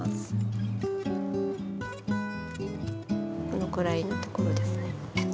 このくらいのところですね